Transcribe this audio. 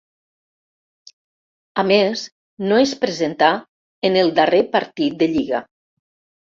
A més no es presentà en el darrer partit de lliga.